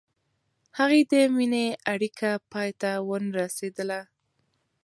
هغې د مینې اړیکه پای ته ونه رسوله.